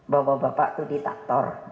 bapak bapak itu di faktor